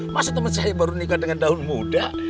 masa teman saya baru nikah dengan daun muda